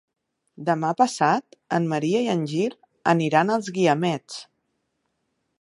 Demà passat en Maria i en Gil aniran als Guiamets.